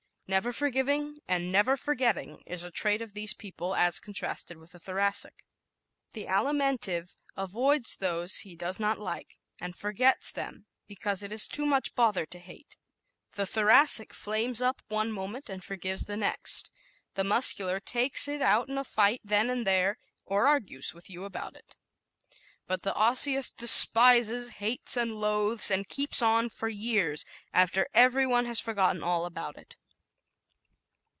Never forgiving and never forgetting is a trait of these people as contrasted with the Thoracic. The Alimentive avoids those he does not like and forgets them because it is too much bother to hate; the Thoracic flames up one moment and forgives the next; the Muscular takes it out in a fight then and there, or argues with you about it. But the Osseous despises, hates and loathes and keeps on for years after every one else has forgotten all about it.